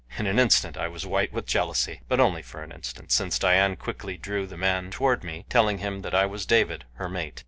In an instant I was white with jealousy, but only for an instant; since Dian quickly drew the man toward me, telling him that I was David, her mate.